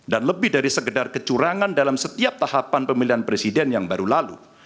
lebih dari sekedar kecurangan dalam setiap tahapan pemilihan presiden yang baru lalu